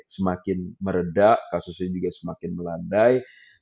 semakin meredah kasusnya juga semakin melandai